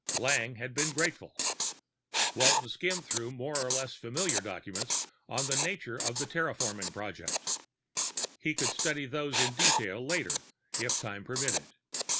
Lang had been grateful. Walton skimmed through more or less familiar documents on the nature of the terraforming project. He could study those in detail later, if time permitted.